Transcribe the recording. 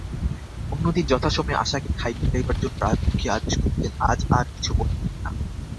অন্যদিন যথাসময়ে আশাকে খাইতে যাইবার জন্য রাজলক্ষ্মী আদেশ করিতেন–আজ আর কিছু বলিলেন না।